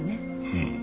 うん。